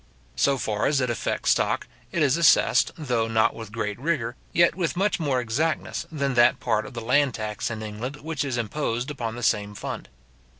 So far as it affects stock, it is assessed, though not with great rigour, yet with much more exactness than that part of the land tax in England which is imposed upon the same fund.